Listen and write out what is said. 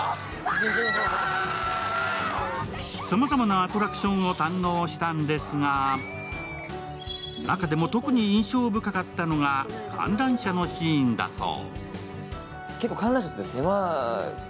さまざまなアトラクションを堪能したんですが、中でも特に印象深かったのが観覧車のシーンだそう。